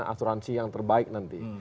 asuransi yang terbaik nanti